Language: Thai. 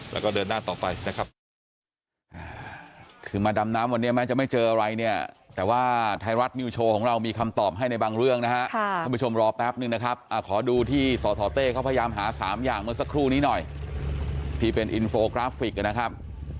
แล้วก็เดินหน้าต่อไปนะครับ